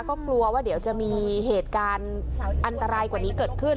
ก็กลัวว่าเดี๋ยวจะมีเหตุการณ์อันตรายกว่านี้เกิดขึ้น